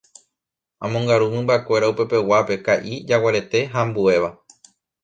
omongaru mymbakuéra upepeguápe, ka'i, jaguarete ha ambuéva.